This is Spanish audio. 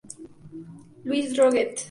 Luis Droguett